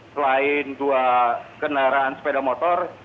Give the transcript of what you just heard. selain dua kendaraan sepeda motor